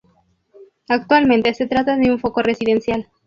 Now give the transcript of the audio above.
Actualmente se trata de un foco residencial.